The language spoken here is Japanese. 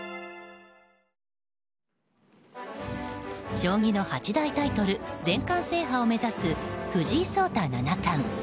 将棋の八大タイトル全冠制覇を目指す藤井聡太七冠。